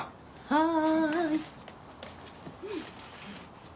はい。